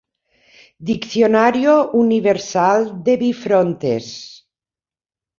«Diccionario Universal de Bifrontes».